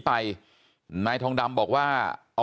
บอกแล้วบอกแล้วบอกแล้ว